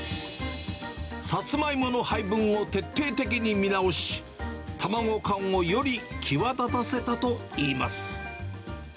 サツマイモの配分を徹底的に見直し、卵感をより際立たせたといいます。